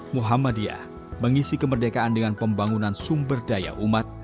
muhammadiyah mengisi kemerdekaan dengan pembangunan sumber daya umat